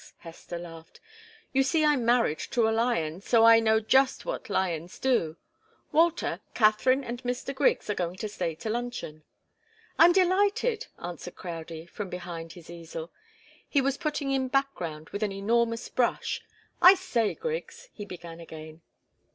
Hester laughed. "You see I'm married to a lion, so I know just what lions do. Walter, Katharine and Mr. Griggs are going to stay to luncheon." "I'm delighted," answered Crowdie, from behind his easel. He was putting in background with an enormous brush. "I say, Griggs " he began again.